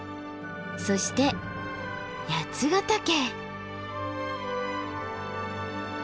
そして八ヶ岳。